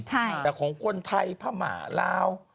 แต่ของคนไทยผ้าหมาลาว